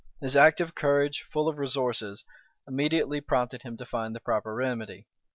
His active courage, full of resources, immediately prompted him to find the proper remedy.